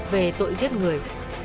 về tội giết người